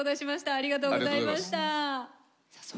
ありがとうございます。